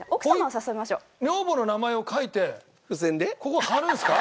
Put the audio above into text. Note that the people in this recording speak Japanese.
女房の名前を書いてここ貼るんですか？